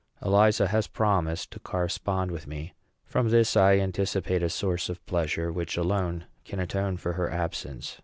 Eliza has promised to correspond with me. From this I anticipate a source of pleasure which alone can atone for her absence.